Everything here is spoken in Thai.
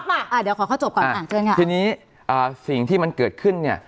มาอ่าเดี๋ยวขอเข้าจบก่อนอ่าเชิญค่ะทีนี้อ่าสิ่งที่มันเกิดขึ้นเนี่ย